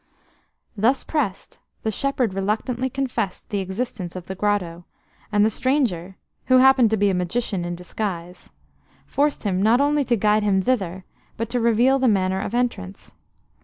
Thus pressed, the shepherd reluctantly confessed the existence of the grotto, and the stranger, who happened to be a magician in disguise, forced him not only to guide him thither, but to reveal the manner of entrance.